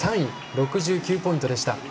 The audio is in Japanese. ６９ポイントでした。